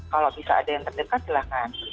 kalau bisa ada yang terdekat silahkan